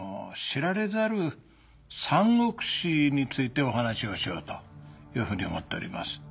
知られざる三國志についてお話をしようというふうに思っております。